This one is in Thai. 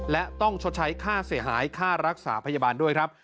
และต้องชดใช้ค่าเสียหายค่ารักษาพยาบาลด้วยครับ